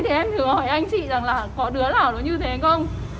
thì em hứa hỏi anh chị rằng là có đứa nào nó như thế không